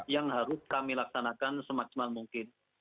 yang harus kami laksanakan semaksimal mungkin